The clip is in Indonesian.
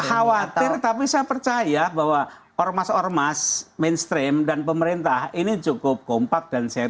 khawatir tapi saya percaya bahwa or mas or mas mainstream dan pemerintah ini cukup kompak dan serius